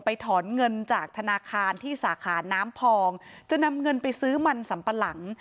ถอนเงินจากธนาคารที่สาขาน้ำพองจะนำเงินไปซื้อมันสัมปะหลัง